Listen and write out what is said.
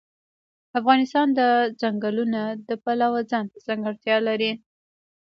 افغانستان د چنګلونه د پلوه ځانته ځانګړتیا لري.